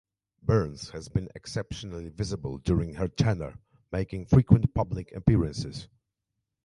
Burns has been exceptionally visible during her tenure, making frequent public appearances.